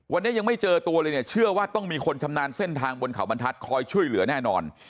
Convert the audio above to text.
วันนี้ยังไม่เจอตัวเลยเนี่ยเชื่อว่าต้องมีคนชำนาญเส้นทางบนเขาบรรทัศน์คอยช่วยเหลือแน่นอน